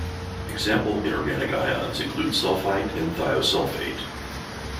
Example inorganic ions include sulfite and thiosulfate.